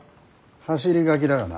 走り書きだがな。